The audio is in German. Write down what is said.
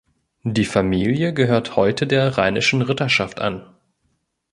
Die Familie gehört heute der Rheinischen Ritterschaft an.